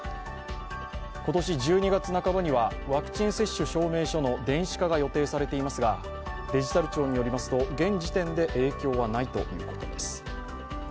今年１２月半ばにはワクチン接種証明書の電子化が予定されていますがデジタル庁によりますと、現時点で影響はないということです。